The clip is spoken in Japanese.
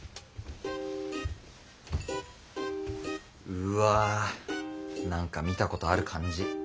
うわ何か見たことある感じ。